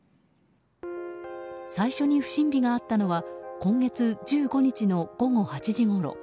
最初に不審火があったのは今月１５日の午後８時ごろ。